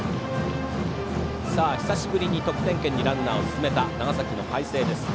久しぶりに得点圏にランナーを進めた長崎の海星です。